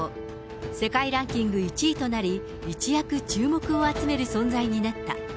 世界ランキング１位となり、一躍注目を集める存在になった。